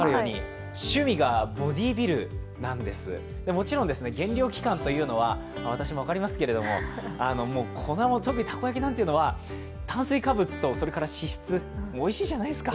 もちろん減量期間というのは、私、分かりますけど粉もん、特にたこ焼きなんていうのは炭水化物とそれから脂質、おいしいじゃないですか。